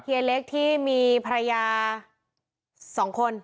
เฮเล็กที่มีภรรยาสองคน